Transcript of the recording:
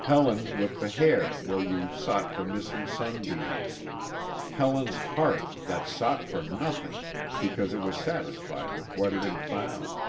Helen, with the hair where you sought for missing sunbeams; Helen's heart, that sought for nothing because it was satisfied with what it had found.